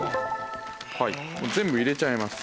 はい全部入れちゃいます。